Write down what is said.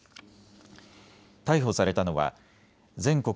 逮捕されたのは全国